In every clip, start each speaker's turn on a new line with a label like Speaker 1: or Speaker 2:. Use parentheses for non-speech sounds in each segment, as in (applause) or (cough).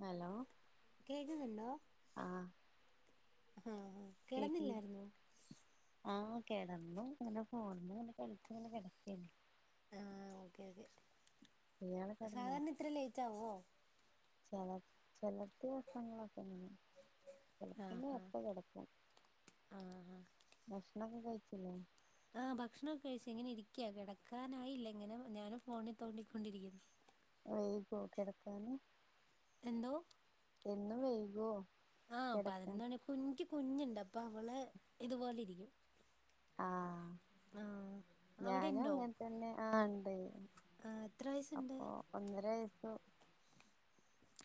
Speaker 1: Hello ആ കേൾക്കു ആ കേൾ നമ്മോ ഇങ്ങനെ ഫോണില് കളിച്ചു ഇങ്ങനെ കിടക്കായിരുന്നു
Speaker 2: ആ ഓക്കെ ഓക്കെ സാധാരണ ഇത്ര ലയ്റ്റാവോ
Speaker 1: ചെല ചെല (unintelligible) ഇങ്ങനെ വെളുപ്പിനെ എപ്പ കിടക്കും ഭക്ഷണൊക്കെ കഴി പിന്നെ
Speaker 2: ആ ഭക്ഷണൊക്കെ കഴിച്ച് ഇങ്ങനെ ഇരിക്കയാ കിടക്കാനായില്ല ഇങ്ങനെ ഞാനും ഫോണിൽ തോണ്ടിക്കൊണ്ടിരിക്കുന്നു
Speaker 1: വൈകോ കിടക്കാന്
Speaker 2: എന്തോ
Speaker 1: എന്നും വൈകോ
Speaker 2: ആ പതിനൊന്ന് മണി (unintelligible) കുഞ്ഞുണ്ട് അപ്പൊ അവള് ഇതുപോലെ ഇരിക്കും
Speaker 1: ആ ഞാനും അങ്ങനെ തന്നെ ആ ഉണ്ട് അപ്പൊ ഒന്നര വയസ്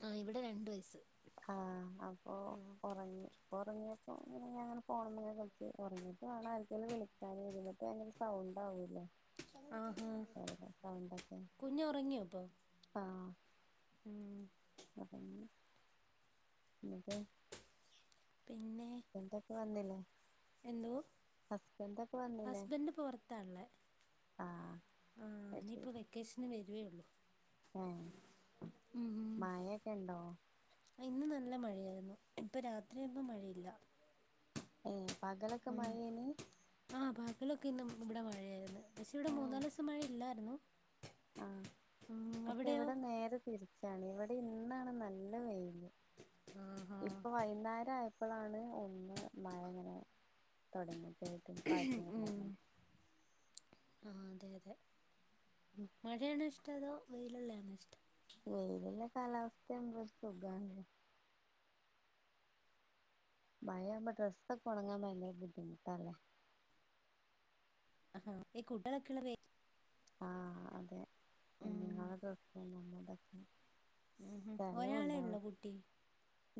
Speaker 2: ആ ഇവിടെ രണ്ട് വയസ്സ്
Speaker 1: ആ അപ്പൊ ഉറങ്ങി ഉറ അപ്പ അങ്ങനെ അങ്ങനെ ഫോണിമ്മേ കളിച്ച് ഉറങ്ങിട്ട് വേണം ആർക്കേലും വിളിക്കാൻ ഇരുന്നിട്ട് സൗണ്ട്ണ്ടാവൂല്ലേ
Speaker 2: ആ ഹാ കുഞ്ഞു ഉറങ്ങിയ അപ്പൊ ഉം
Speaker 1: (unintelligible) എന്നിട്ട്
Speaker 2: പിന്നെ
Speaker 1: എന്തൊക്കെ വന്നില്ലേ
Speaker 2: എന്തോ ഹസ്ബൻഡ് പൊറത്താ ഒള്ളേ ആ ഇനിയിപ്പ വെക്കേഷന് വ
Speaker 1: ആഹ്‌ മായേക്കെ ഇണ്ടോ
Speaker 2: ഇന്ന് നല്ല മഴയായിരുന്നു ഇപ്പൊ രാത്രിയാവുമ്പോ മഴയില്ല
Speaker 1: ഏഹ് പകലൊക്കെ മയെയേന്
Speaker 2: ളൊക്കെ ഇന്നും ഇവിടെ മഴയായിരുന്ന് ദേശം ഇവിടെ മൂന്നാലീസം മഴ ഇല്ലായിരുന്നു
Speaker 1: ആഹ്‌ പക്ഷെ ഇവിടെ നേരെ തിരിച്ചാണ് ഇവ ടെ ഇന്നാണ് നല്ല വെയില് ഇപ്പൊ വൈകുന്നേരായ പ്പളാണ് ഒന്ന് മയ ഇങ്ങനെ തൊടങ്ങിയത് (unintelligible)
Speaker 2: ആഹ്‌ അതെ അതെ മഴയാണ് ഷ് ത്തതോ വെയിലൊള്ളയാണോ ഇഷ്ടം
Speaker 1: വെയിലുള്ള കാലാവസ്ഥ എന്തൊരു സുഖാണല്ലേ മയയാവുമ്പ ഡ്രസ്സൊക്കെ ഒണങ്ങാൻ ഭയങ്കര ബുദ്ധിമുട്ടാല്ലേ
Speaker 2: കുട്ടളൊക്കെയുള്ള പേ
Speaker 1: ആഹ്‌ അതെ (inaudible)
Speaker 2: ഒരാളെ ഉള്ളോ കുട്ടി?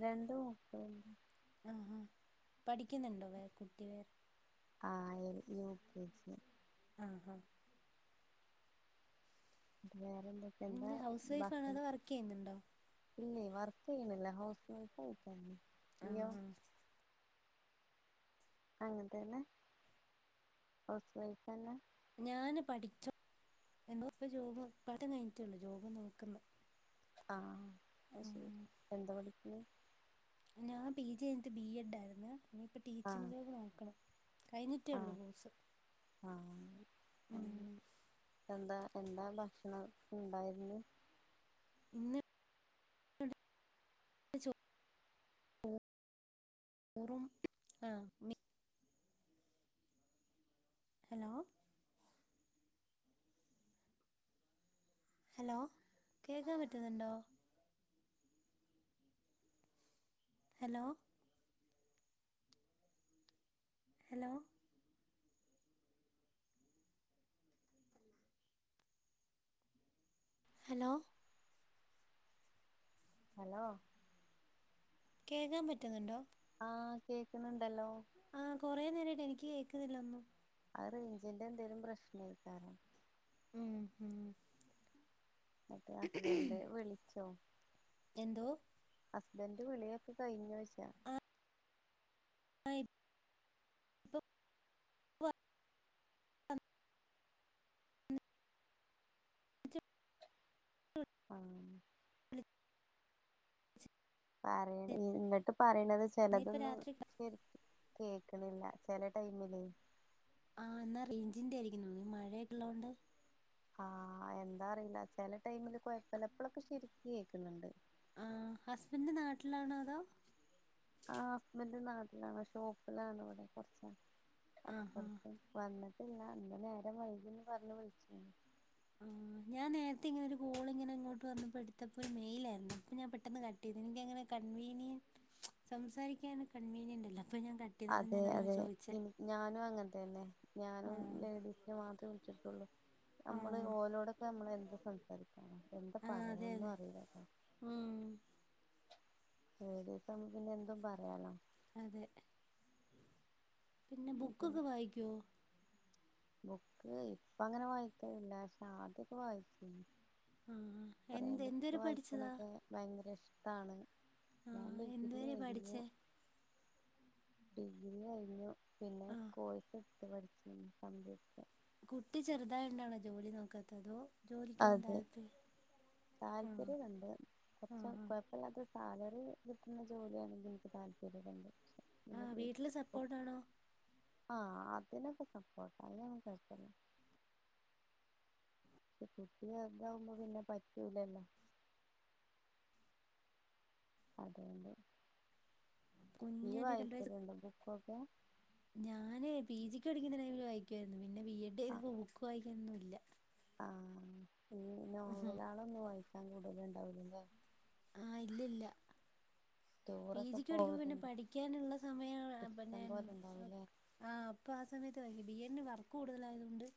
Speaker 1: രണ്ട് മക്കള്ണ്ട്.
Speaker 2: പഠിക്കുന്നുണ്ടോ വേറെ കുട്ടി വേറെ?
Speaker 1: ആഹ് യൂ കെ ജി. അതെ.
Speaker 2: ഹൗസ് വൈഫ് ആണോ അതോ വർക്കെയ്യുന്നുണ്ടോ?
Speaker 1: ഇല്ലേ വർക്കെയ്ണില്ല. ഹൗസ് വൈഫ് ആയിട്ടന്നെ ഇയ്യോ? അങ്ങൻ തന്നെ. ഹൗസ് വൈഫെന്നെ.
Speaker 2: ഞാന് പഠിച്ചോ (unintelligible) ജോബ് നോക്കുന്ന്.
Speaker 1: ആ ആഹ് ശെരി എന്തൊ പഠി ഉം
Speaker 2: ഞാൻ പിജി കഴിഞ്ഞിട്ട് ബി എഡ്‌ ആര്ന്ന് ഇനിപ്പ ടീച്ചിങ് ജോബ് നോക്കണം
Speaker 1: ആഹ് ആഹ് എന്ത എന്താ ഭക്ഷ (unintelligible) ഉണ്ടായിരുന്നു
Speaker 2: ഇന്ന് (unintelligible) ചോറും മീ ഹലോ ഹലോ കേക്കാൻ പറ്റുന്നുണ്ടോ ഹലോ ഹലോ ഹലോ
Speaker 1: ഹലോ
Speaker 2: കേക്കാൻ പറ്റുന്നുണ്ടോ
Speaker 1: ആഹ് കേക്കുന്നുണ്ടല്ലോ
Speaker 2: ആഹ് കൊറേ നേരായിട്ട് എനിക്ക് കേക്കുന്നില്ലൊന്നും
Speaker 1: അത് റേഞ്ചിന്റെ എന്തേലും പ്രശ്നം ആയിക്കാണും എന്റെ ഹസ്ബൻഡ് വിളിച്ചു (unintelligible)
Speaker 2: എന്തോ
Speaker 1: ഹസ്ബന്റ് വിളിയൊക്കെ കഴിഞ്ഞോച്ച
Speaker 2: (unintelligible)
Speaker 1: ആഹ്
Speaker 2: (unintelligible)
Speaker 1: (unintelligible) പറേണത് ചെലതൊന്നും ശെരി കേക്കുന്നില്ല ചെല ടൈമിലെ
Speaker 2: ആഹ് എന്നാ റേഞ്ചിന്റെ ആരിക്കും നല്ല മഴ ഉള്ളോണ്ട്
Speaker 1: ആഹ് എന്താ അറില്ല ചെല ടൈമില് കൊഴപ്പില്ല ഇപ്പോളെക്കെ ശരിക്ക് കേക്കുന്നുണ്ട്
Speaker 2: ആഹ് ഹസ്ബെന്റ് നാട്ടിലാണോ അതോ
Speaker 1: ആഹ് ഹസ്ബെന്റ് നാട്ടിലാണ് ഷോപ്പിലാണ് ഇവിടെ കൊറച്ച് അപ്പോർ ത്ത് വന്ന് ഇല്ല ഇന്ന് നേരം വൈകുന്ന്പറഞ്ഞ് വിളിച്ചീന്നു
Speaker 2: ആ ഞാൻ നേരത്തെ ഇങ്ങനെ ഒരു കോൾ ഇങ്ങനെ ഇങ്ങോട്ട് വന്നപ്പോൾ എടുത്തപ്പോൾ ഒരു മെയിലായിയിരുന്നു അപ്പൾ ഞാൻ പെട്ടെന്ന് കട്ട് ചെയ്തു എനിക്കങ്ങനെ കൺവീനിയൻറ് സംസാരിക്കാൻ കൺവീനിയന്റ് അല്ല
Speaker 1: അതെ അതെ ഇനി ഞാനും അങ്ങനത്തന്നെ ഞാനും ലേഡീസിനെ മാത്രേ വിളിച്ചി ട്ടെ ള്ളു നമ്മള് ഓലോടൊക്കെ നമ്മള് എന്ത് സംസാരിക്കാനാ എന്താ പറയാ ഒന്നും അറീലല്ലോ ലേഡീസ് ആവുമ്പോ പിന്നെ എന്തും പറയാലോ
Speaker 2: അതെ പിന്നെ ബുക്കൊക്കെ വായിക്കോ
Speaker 1: ബുക്ക് ഇപ്പ അങ്ങനെ വായിക്കലില്ല പക്ഷെ ആദ്യക്കെ വായിച്ചീനി
Speaker 2: ആ എന്ത് എന്ത് വരെ പഠിച്ചതാ
Speaker 1: ട്ടാണ് ഞാൻ ഡിഗ്രി കഴിഞ്ഞു ഡിഗ്രി കയിഞ്ഞു പിന്നെ കോഴ്‌സ് എടുത്ത് പഠിച്ചിനി കമ്പ്യൂട്ടർ
Speaker 2: കുട്ടി ചെറുതായോണ്ടാണോ ജോലി നോക്കാത്തേ അതോ
Speaker 1: അതെ താല്പര്യക്കെ ഉണ്ട് കുറച്ചോ കുഴ സാലറി കിട്ടുന്ന ജോലിയണെങ്കിൽ എനിക്ക് താല്പര്യക്കെ ഉണ്ട്
Speaker 2: ആ വീട്ടില് സപ്പോർട്ടാണോ
Speaker 1: ആ അതിനൊക്കെ സപ്പോർട്ടാ അയിനൊന്നും കുഴപ്പല്ല പക്ഷെ കുട്ടി ചെറുതാവുമ്പോ പിന്നെ പറ്റൂലല്ലോ അതുകൊണ്ട് നീ വായിക്കലുണ്ടോ ബുക്കൊ (unintelligible)
Speaker 2: ഞാന് പി ജിക്ക് പഠിക്കുന്ന ടൈമില് വായിക്കുവായിരുന്നു പിന്നെ ബി എഡ് എഴുതുമ്പം ബുക്ക് വായി എന്നും ഇല്ല
Speaker 1: ആ ഈ നോവലാളൊന്നും വായി ക്കാൻ കൂടല് ഉണ്ടാവൂലല്ലേ
Speaker 2: ആ ഇല്ലല്ല പി ജിക്ക് പഠിക്കുമ്പോ പിന്നെ പഠിക്കാനുള്ള സമയമാണ് അപ്പൊ ഞാൻ ആ അപ്പൊ ആ സമയത്ത് ബിഎഡിന് വർക്ക് കൂടുതലായത് കൊണ്ട്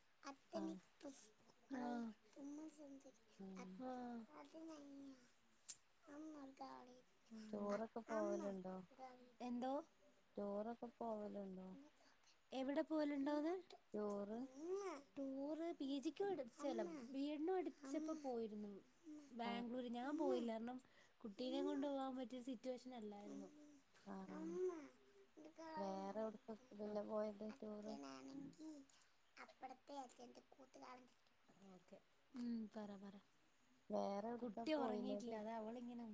Speaker 1: ടൂറൊക്കെ പോവലുണ്ടോ ടൂറൊക്കെ പോവലുണ്ടോ
Speaker 2: പോവലുണ്ടോന്ന്
Speaker 1: ടൂറ്
Speaker 2: ടൂറ് പി ജി ക്ക് പഠി ചെലം ബി എഡിന് പടിപ്പിച്ചപ്പോ പോയിരുന്നു ബാംഗ്ലൂര് ഞാൻ പോയില്ല കുട്ടീനെയും കൊണ്ടു പോകാൻ പറ്റിയ സിറ്റുവേഷൻ അല്ലായിരുന്നു
Speaker 1: ആ വേറെ എവിടെക്ക പിന്നെ പോയത് ടൂറ്
Speaker 2: ഉം പറ പറ
Speaker 1: വേറെ എവിടുക്കാ പോയിനത്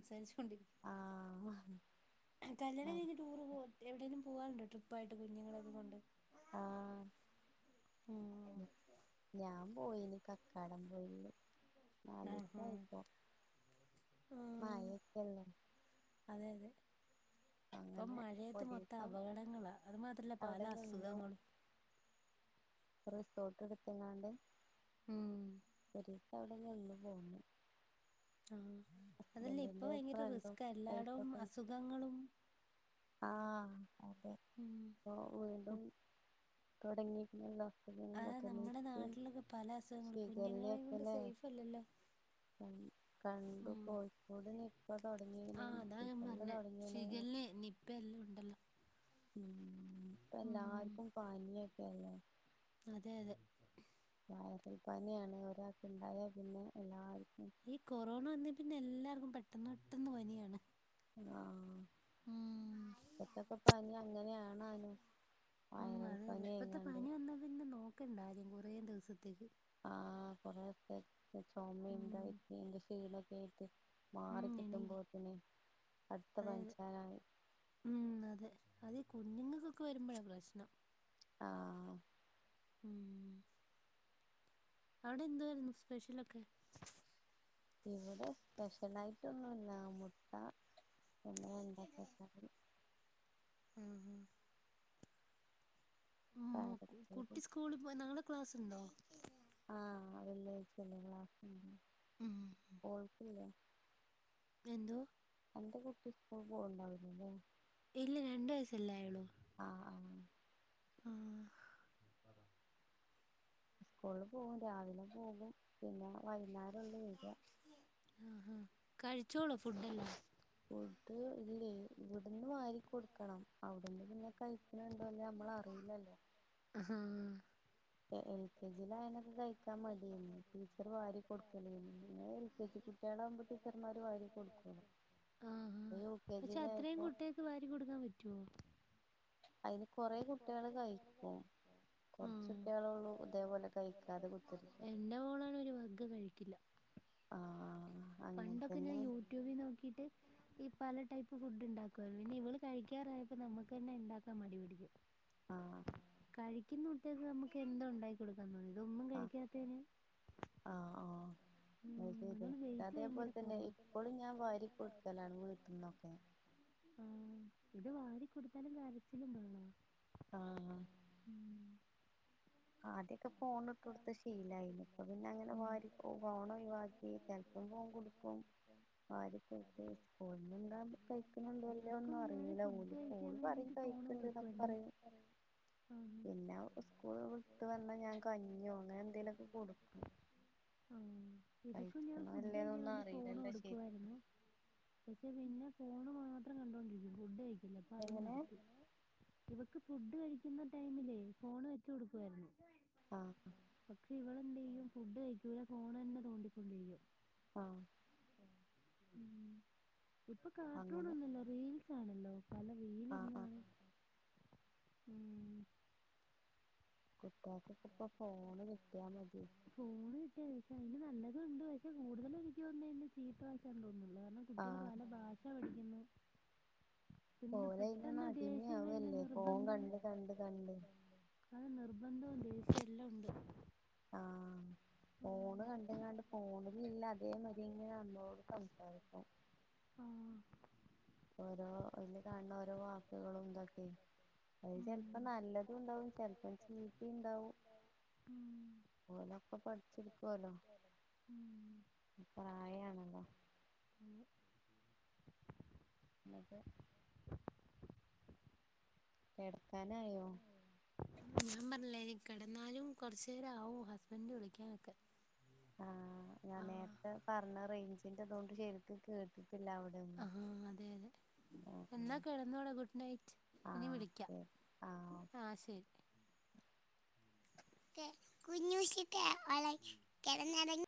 Speaker 2: ച്ച് കൊണ്ടോവും കല്യാണംകഴിഞ്ഞ് ടൂർ പോവോ എവിടേലും പോകറുണ്ടോ ട്രിപ്പായിട്ട് കുഞ്ഞുങ്ങളൊക്കെ കൊണ്ട്
Speaker 1: ആഹ് ഞാൻ പോയിനി കക്കാടം പോയിനി (unintelligible) മയേക്കല്ലേ
Speaker 2: അതെ അതെ ഇപ്പം മഴയത്ത് മൊത്തം അപകടങ്ങളാ അതുമാത്രല്ല പല അസുഖങ്ങളും
Speaker 1: റിസോർട്ട് എടുത്തങ്ങാണ്ട് (unintelligible) രി അവ്ട്ന്നന്ന് പോന്ന്
Speaker 2: ആഹ് അതല്ല ഇപ്പ ഭയങ്കര റിസ്കാ എല്ലായിടവും അസുഖങ്ങളും
Speaker 1: ആഹ് അതെ പ്പൊ വീണ്ടും തൊടങ്ങീട്ട്ണ്ടോ അങ്ങടൊക്കെ നിപ്പിം ഷിഖല്ലി ഒക്കെലേ കൺ കണ്ടു കോഴിക്കോട് നിപ്പ തൊട്ങ്ങീണ് ശിഖല്ല തൊടങ്ങീണ്
Speaker 2: പ്പെ എല്ലുംണ്ടല്ലാെ
Speaker 1: ഉം ഇപ്പ എല്ലാർക്കും പന്യ (unintelligible)
Speaker 2: അതെ അതെ
Speaker 1: വയറൽ പന്യാണ് ഒരാൾക്ക് ണ്ടായാ പിന്നെ എല്ലാര്
Speaker 2: ഈ കൊറോണ വന്നെ പിന്നെ പിന്നെ എല്ലാർക്കും പെട്ടെന്ന് പെട്ടെന്ന് പനിയാണ്
Speaker 1: ആഹ് ഇപ്പത്തക്കെ പനിയാ
Speaker 2: ഉം അതെ അതെ ഇപ്പത്തെ പനി വന്നാ പിന്നെ നോ ക്കണ്ട ആരേം കൊറേ ദിവ്സെത്തേക്ക്
Speaker 1: ആഹ് കൊറേയൊക്കെ ചോമേം (unintelligible) ച്ചേന്റെ ക്ഷീണാെക്കേയ്ട്ട് മാറിക്കിട്ട്മ്പോത്തിന് അട്ത്തെ പൻച്ചാനായി
Speaker 2: അതീ കുഞ്ഞുങ്ങൾക്കൊക്കെ വരുമ്പഴാ പ്രശ്നം.
Speaker 1: ആഹ് ആഹ്
Speaker 2: ഉം അവിടെ എന്തുവായിരുന്നു സ്പെഷ്യലൊക്കെ?
Speaker 1: ഇവിടെ സ്പെഷ്യൽ ആയിട്ടൊന്നുല്ല മൊട്ട പിന്നെ എന്തൊക്കെ (unintelligible)
Speaker 2: ഉം കു കുട്ടി സ്കൂളിൽ പോയി നാളെ ക്ലാസ്സുണ്ടോ
Speaker 1: ആ അതല്ലേ എനിക്കിന്നു ക്ലാസ്സുണ്ട് ഓൾക്കില്ലേ
Speaker 2: എന്തോ
Speaker 1: അന്റെ കുട്ടി സ്കൂൾ പോണ്ടുണ്ടാവില്ലേ
Speaker 2: ഇല്ല രണ്ട് വയസല്ലേ ആയുള്ളൂ
Speaker 1: ആ ആ
Speaker 2: ആ
Speaker 1: ഉസ്കൂള് പോകും രാവിലെ പോകും പിന്നെ വൈകുന്നേരം ഓള് വരിക
Speaker 2: ആ ആ കഴിച്ചോളോ ഫുഡെല്ലാം
Speaker 1: ഫ് ഇല്ലേ ഇവിടുന്ന് മാരി കൊൊടുക്കണം അവിടുന്ന് പിന്നെ കഴിക്കനുണ്ടോ അല്ലേ നമ്മള അറിയില്ലല്ലോ
Speaker 2: ആഹാ
Speaker 1: എൽ കെ ജി യിൽ അയിനൊക്കെ കഴിക്കാൻ മടി തന്നെ. ടീച്ചർ വാരി കൊടുക്കല് തന്നെ. എൽ കെ ജി കു
Speaker 2: ആ ആ പക്ഷെ അത്രയും കുട്ടികൾക്ക് വാരി കൊടുക്കാൻ പറ്റൊ യോ എന്റെ മോളാണെയൊരു വക കഴിക്ക പണ്ടൊക്കെ ഞാൻ യൂട്യൂബിൽ നോക്കിട്ട് ഈ പല ടൈപ്പ് ഫുഡ് ഉണ്ടാക്ക്ര്ന്നു ഇനി ഇവള് കഴിക്കാറായപ്പോ നമ്മക്ക് ന്നെ ഇണ്ടാക്കാൻ മടിപിടി
Speaker 1: ആ
Speaker 2: കഴിക്കുന്ന കുട്ട്യേക്ക് മ്മക്ക് എന്തോ ഉണ്ടായി കൊട്ക്കാൻ തോന്നും
Speaker 1: അ ആ ആ അഹ്‌ ശെരിയാ അതേപോൽതന്നെ ഇപ്പളും ഞാൻ വാരി കൊടുക്കലാണ് വീട്ട്ന്നൊക്കെ
Speaker 2: ഇത് വാരി കൊടുത്താലും കരച്ചിലും ബഹളവാ
Speaker 1: ആ ഹാ ആദ്യൊക്കെ ഫോണ് ഇട്ട്ട്ത്ത് ശീലായിനെ ഇപ്പ പിന്നെ അങ്ങനെ വാരി ഫോണ ഒഴിവാക്കി ചെൽപ്പം ഫോൺ കൊടുക്കും വാരി കൊട്ത്ത് സ്കൂള്ണ്ടാവുമ്പ കഴിക്ക്ണ് ണ്ടോ ഇല്ലേ ഒന്നു അറീല ഓല് ഓള് പറയും കഴിക്ക്ണ്ട് ന്നൊ പറയു പിന്നെ സ്കൂള് വി ഇട്ട് വന്നാ ഞാൻ കഞ്ഞിയോ അങ്ങനെ എന്തേലൊക്കെ കൊട്ക്കും
Speaker 2: ഇവക്കും ഞാൻ ഫുഡ് കഴിക്കാൻ വേണ്ടി ഫോണ് കൊടുക്കുവായിരുന്നു പക്ഷെ പിന്നെ ഫോണ് മാത്രം കണ്ടോണ്ടിരിക്കും ഫുഡ് കഴ്‌ ല്ല അത് നിർത്തി ഇവക്ക് ഫുഡ് കഴിക്കുന്ന ടൈമിലേ ഫോണ് വെച്ച് കൊടുക്കുവായിരുന്നു
Speaker 1: ആഹ
Speaker 2: പക്ഷെ ഇവളെന്ത് ചെയ്യും ഫുഡ് കഴിക്കൂല ഫോണന്നെ തോണ്ടിക്കൊണ്ടിരിക്കും
Speaker 1: ആഹ
Speaker 2: ഉം ഇപ്പൊ കാർട്ടൂണോന്നുല്ല റീൽസ് ആണല്ലോ പല
Speaker 1: ആഹ ആഹ
Speaker 2: ഉം
Speaker 1: കുട്ട്യോക്കൊക്കെ ഇപ്പൊ ഫോണ് കിട്ടിയാ മതി
Speaker 2: അതിന് നല്ലതുണ്ട് പക്ഷെ കൂടുതലും എനിക്ക് തോന്നുന്നേ ചീത്ത വശാതോന്നുന്നു
Speaker 1: ആഹ
Speaker 2: പിന്നെ പെട്ടെന്ന് ദേഷ്യം വരുന്ന നിർബന്ധം അ നിർബന്ധം ദേഷ്യം എല്ലാം ഉണ്ട്
Speaker 1: ആഹ ഫോണ് കണ്ട്കാണ്ട് ഫോണിലില്ല അതേ മതി ങ്ങനെ നമ്മോട് സംസാരിക്കും ഓരോ അയില് കാണുന്ന ഓരോ വാക്കുകളും ഇതൊക്കെ അത് ചെലപ്പം നല്ലതും ഉണ്ടാവും ചെലപ്പം ചീത്തിണ്ടാവും ഓലക്കേ പഠിച്ചെടുക്കുവല്ലോ പ്രായണല്ലോ അതെ കെടക്കാനായോ
Speaker 2: ഞാൻ പറഞ്ഞില്ലേ എനി കിടന്നാലും കൊറചേരാവും ഹസ്ബൻഡ് വിളിക്കാനൊക്കെ
Speaker 1: ആ ഞാൻ നേരത്തെ പറഞ്ഞ റെയിഞ്ച് നിക്ക് അതോണ്ട് ശെരിക്കും കേട്ടി
Speaker 2: ആ അതെ അതെ എന്നാ കിടന്നോളു ഗുഡ് നൈറ്റ് ഇനി വിളിക്കാ ആ ശരി ഓക്കേകുഞ്ഞുശ്കെ ഓള് കെടന്നൊറങ്